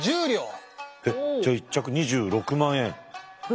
えっじゃあ１着２６万円。